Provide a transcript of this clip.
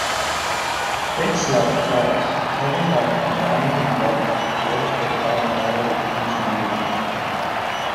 Fritz loved cars, driven by an abiding love for beautiful automotive engineering.